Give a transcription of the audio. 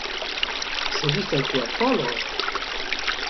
C’est juste un coup à prendre.